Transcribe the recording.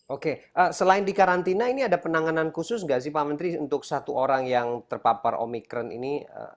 oke selain di karantina ini ada penanganan khusus nggak sih pak menteri untuk satu orang yang terpapar omikron ini